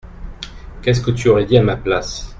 Qu’est-ce que tu aurais dit à ma place ?